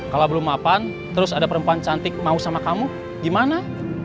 kalau belum mapan terus ada perempuan cantik mau sama kamu gimana